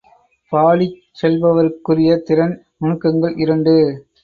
பாடிச் செல்பவருக்குரிய திறன் நுணுக்கங்கள் இரண்டு.